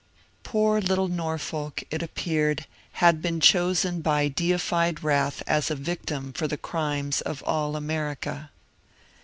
Poor little Norfolk, it appeared, had been chosen by deified wrath as a victim for the crimes of all America